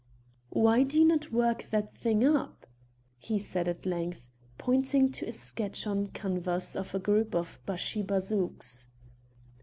"Why do not you work that thing up?" he said at length, pointing to a sketch on canvas of a group of bashibazouks.